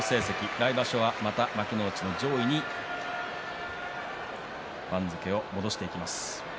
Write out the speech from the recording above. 来場所はまた幕内の上位に番付を戻していきます。